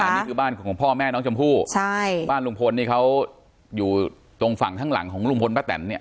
นี่คือบ้านของพ่อแม่น้องชมพู่ใช่บ้านลุงพลนี่เขาอยู่ตรงฝั่งข้างหลังของลุงพลป้าแตนเนี่ย